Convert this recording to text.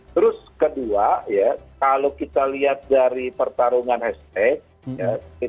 terus kedua kalau kita lihat dari pertarungan hashtag kita lihat bahwa hashtag ini